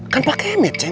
kan pak kemet cek